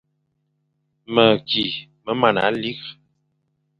Meki me mana likh.